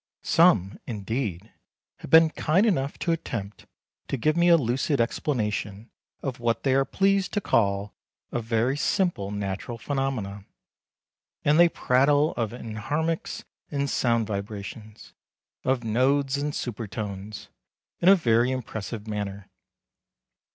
Some, indeed, have been kind enough to attempt to give me a lucid explanation of what they are pleased to call a very simple natural phenomenon, and they prattle of enharmonics and sound vibrations, of nodes and super tones, in a very impressive manner.